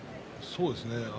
そうですね